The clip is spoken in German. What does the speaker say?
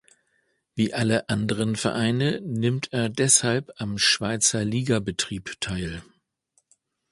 Wie alle anderen Vereine nimmt er deshalb am Schweizer Ligabetrieb teil.